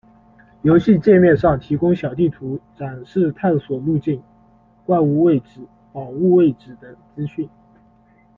游戏介面上提供小地图，展示探索路径、怪物位置、宝物位置等资讯。